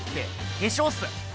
化粧っす。